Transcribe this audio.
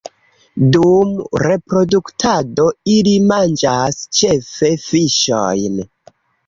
Dum reproduktado ili manĝas ĉefe fiŝojn.